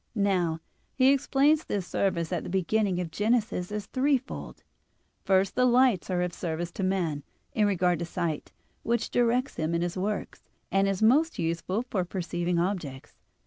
Now, he explains this service at the beginning of Genesis as threefold. First, the lights are of service to man, in regard to sight, which directs him in his works, and is most useful for perceiving objects.